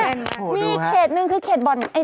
มีอีกเขตหนึ่งคือเขตบ่อน